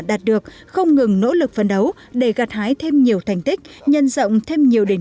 đạt được không ngừng nỗ lực phấn đấu để gặt hái thêm nhiều thành tích nhân rộng thêm nhiều điển